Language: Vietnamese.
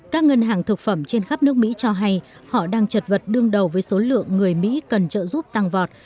các ngân hàng thực phẩm trên khắp nước mỹ cho hay họ đang trật vật đương đầu với số lượng người mỹ cần trợ giúp tăng vọt